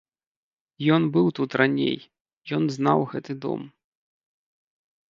Ён быў тут раней, ён знаў гэты дом.